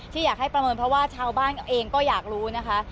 อยากให้ประเมินเพราะว่าชาวบ้านเองก็อยากรู้นะคะ